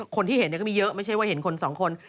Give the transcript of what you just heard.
คนที่เห็นก็มีเยอะไม่ใช่ว่าเห็นคนสองคน